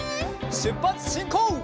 しゅっぱつしんこう！